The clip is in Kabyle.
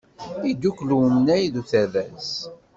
Iddukel umnay d uterras.